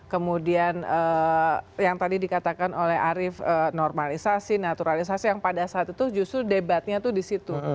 kemudian yang tadi dikatakan oleh arief normalisasi naturalisasi yang pada saat itu justru debatnya itu di situ